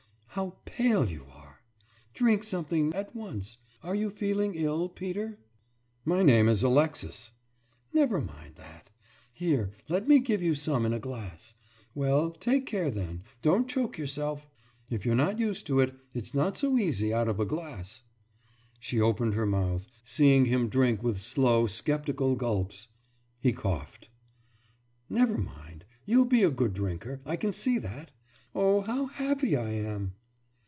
»How pale you are! Drink something now at once! Are you feeling ill, Peter?« »My name is Alexis.« »Never mind that. Here, let me give you some in a glass. Well, take care then; don't choke yourself! If you're not used to it, it's not so easy as out of a glass.« She opened her mouth, seeing him drink with slow, sceptical gulps. He coughed. »Never mind! You'll be a good drinker, I can see that! Oh, how happy I am!